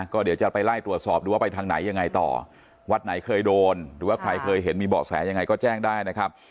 ก็เดี๋ยวจะไปไล่ตรวจสอบดูว่าไปทางไหนยังไงต่อวัดไหนเคยโดนหรือว่าใครเคยเห็นมีเบาะแสยังไงก็แจ้งได้นะครับ